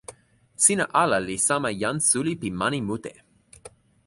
sina ala li sama jan suli pi mani mute.